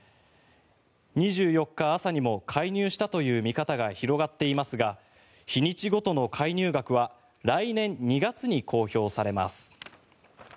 ２４日朝にも介入したという見方が広がっていますが日にちごとの介入額は来年２月に公表されます。